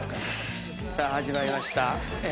さあ始まりました。